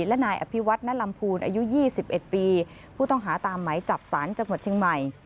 และนายอภิวัตน์นัตลัมพูลอายุยี่สิบเอ็ดปีผู้ต้องหาตามไหมจับศาลจังหวัดเชียงใหม่